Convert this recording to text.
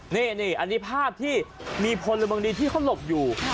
นี่อันนี้ภาพที่มีคนหลบอยู่